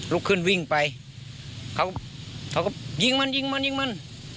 ลุกขึ้นวิ่งไปเขาก็ยิงมันยิงมันยิงมัน